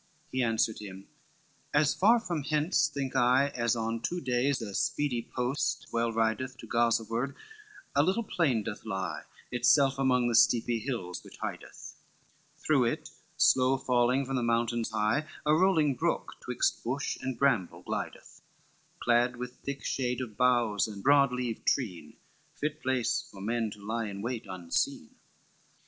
LI He answered him, "As far from hence think I As on two days a speedy post well rideth, To Gaza ward a little plain doth lie, Itself among the steepy hills which hideth, Through it slow falling from the mountains high, A rolling brook twixt bush and bramble glideth, Clad with thick shade of boughs of broad leaved treen, Fit place for men to lie in wait unseen.